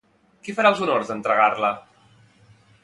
Qui farà els honors d'entregar-la?